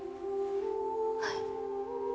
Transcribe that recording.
はい。